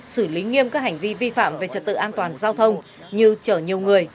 xử lý nghiêm các hành vi vi phạm về trật tự an toàn giao thông như chở nhiều người